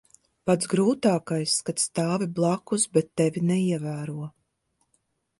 Pats grūtākais - kad stāvi blakus, bet tevi neievēro.